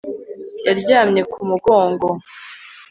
Yaryamye ku mugongo